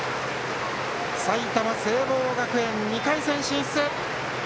埼玉・聖望学園、２回戦進出。